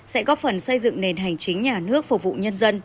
sẽ góp phần xây dựng nền hành chính nhà nước phục vụ nhân dân